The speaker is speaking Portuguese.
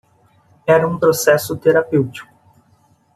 Era um processo terapêutico.